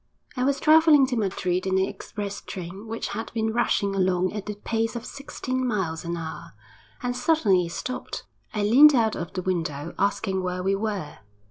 I was travelling to Madrid in an express train which had been rushing along at the pace of sixteen miles an hour, when suddenly it stopped. I leant out of the window, asking where we were.